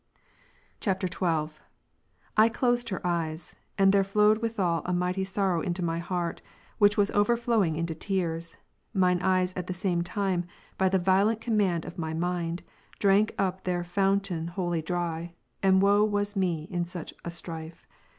[XII.] 29. I closed her eyes; and there flowed withal a mighty sorrow into my heart, which was overflowing into tears; mine eyes at the same time, by the violent command of my mind, drank up their fountain wholly dry ; and woe w'as me in such a strife